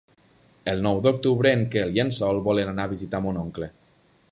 El nou d'octubre en Quel i en Sol volen anar a visitar mon oncle.